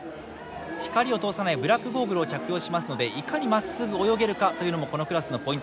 光を通さないブラックゴーグルを着用しますのでいかにまっすぐ泳げるかというのもこのクラスのポイントです。